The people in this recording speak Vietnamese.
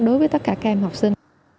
đối với tất cả các em học sinh